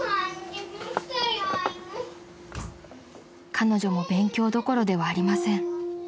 ［彼女も勉強どころではありません］